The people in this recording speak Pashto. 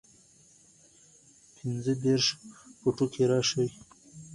پنځۀدېرش فوټو کښې راشي